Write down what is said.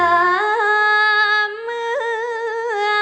ความเหมือแม่